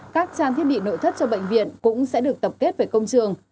các trang thiết bị nội thất cho bệnh viện cũng sẽ được tập kết về công trường